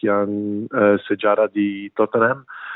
yang sejarah di tottenham